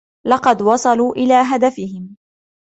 لَقَد وَصَلوا إلى هَدَفَهُم.